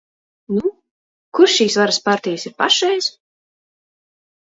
Nu, kur šīs varas partijas ir pašreiz?